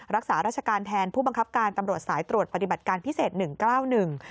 รักษาราชการแทนผู้บังคับการตำรวจสายตรวจปฏิบัติการพิเศษหนึ่งเก้าหนึ่ง